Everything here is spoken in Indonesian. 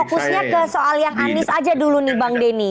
fokusnya ke soal yang anies aja dulu nih bang denny